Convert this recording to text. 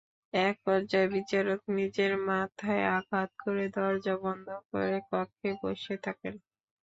একপর্যায়ে বিচারক নিজের মাথায় আঘাত করে দরজা বন্ধ করে কক্ষে বসে থাকেন।